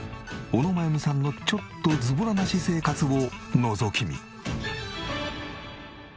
小野真弓さんのちょっとズボラな私生活をのぞき見。